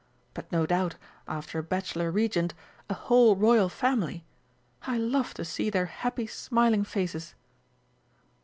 But no doubt, after a bachelor Regent, a whole Royal family I love to see their happy smiling faces!"